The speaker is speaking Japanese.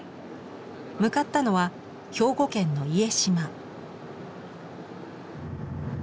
向かったのは兵庫県の家島。